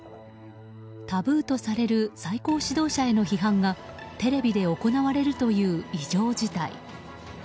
タブーとされる最高指導者への批判がテレビで行われるという異常事態。